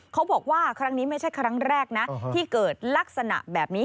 เขาบอกว่าครั้งนี้ไม่ใช่ครั้งแรกนะที่เกิดลักษณะแบบนี้